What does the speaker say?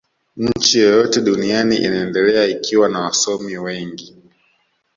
nchi yoyote duniani inaendelea ikiwa na wasomi wengi